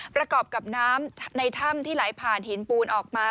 ประกอบกับน้ำในถ้ำที่ไหลผ่านหินปูนออกมา